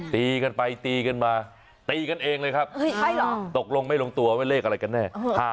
ตีกันไปตีกันมาตีกันเองเลยครับตกลงไม่ลงตัวว่าเลขอะไรกันแน่